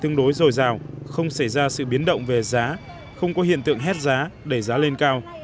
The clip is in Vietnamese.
tương đối dồi dào không xảy ra sự biến động về giá không có hiện tượng hét giá đẩy giá lên cao